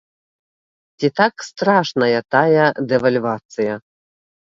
Ці так страшная тая дэвальвацыя?